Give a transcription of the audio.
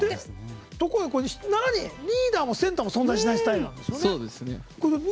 ７人はリーダーもセンターも存在しないスタイルなんだよね。